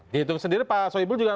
di hitung sendiri pak soebul juga